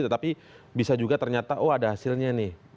tetapi bisa juga ternyata oh ada hasilnya nih